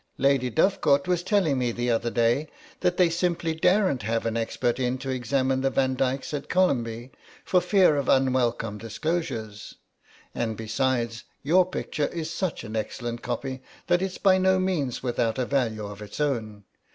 Lady Dovecourt was telling me the other day that they simply daren't have an expert in to examine the Van Dykes at Columbey for fear of unwelcome disclosures. And besides, your picture is such an excellent copy that it's by no means without a value of its own.